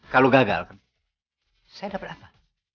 kalau gagal kan saya dapat apa